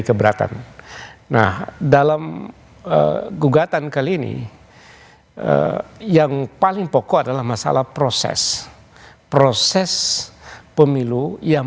keberatan nah dalam gugatan kali ini yang paling pokok adalah masalah proses proses pemilu yang